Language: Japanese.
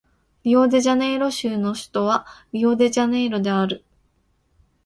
リオデジャネイロ州の州都はリオデジャネイロである